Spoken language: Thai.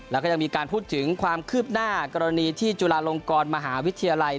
แล้วก็ยังมีการพูดถึงความคืบหน้ากรณีที่จุฬาลงกรมหาวิทยาลัย